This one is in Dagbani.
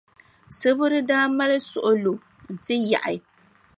Sibiri daa mali suɣulo n-ti yaɣi.